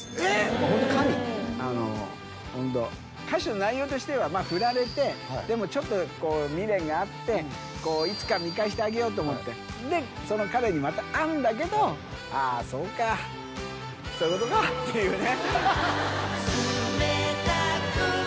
もうホント神あのホント歌詞の内容としてはまあフラれてでもちょっとこう未練があっていつか見返してあげようと思ってでその彼にまた会うんだけどああそうかっていうね